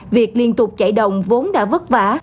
việc liên tục chạy đồng vốn đã vất vả